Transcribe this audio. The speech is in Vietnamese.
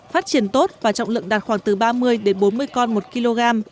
phát triển tốt và trọng lượng đạt khoảng từ ba mươi đến bốn mươi con một kg